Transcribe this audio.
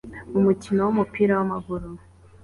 Umukino wumupira wamaguru